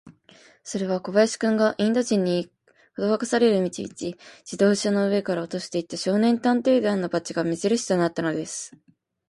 それは小林君が、インド人に、かどわかされる道々、自動車の上から落としていった、少年探偵団のバッジが目じるしとなったのです。